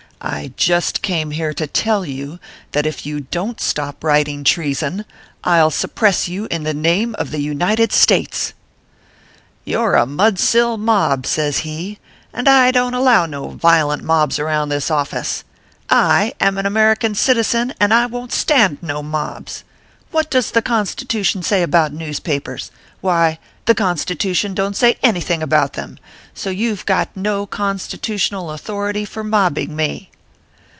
I just came here to tell you that if you don t stop writing trea son, I ll suppress you in the name of the United States." " You re a mudsill mob," says he ;" and I don t allow no violent mobs around this office. I am an American citizen, and I won t stand no mobs. What does the Constitution say about newspapers ? Why, the Constitution don t say anything about them ; so you ve got no Constitutional authority for mobbing me."